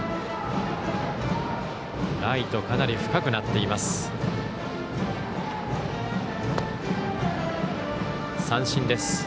ライト、かなり深くなっています。